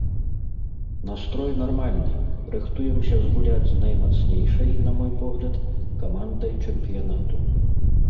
Настрой нармальны, рыхтуемся згуляць з наймацнейшай, на мой погляд, камандай чэмпіянату.